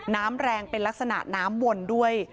น้ำแรงเป็นลักษณะน้ำวนด้วย